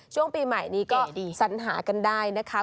ช่วงปีใหม่นี้ก็สัญหากันได้นะคะ